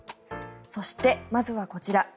そしてまずはこちら。